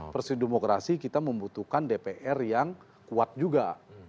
prinsip demokrasi kita membutuhkan dpr yang kuat juga